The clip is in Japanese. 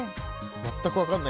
全然分かんない。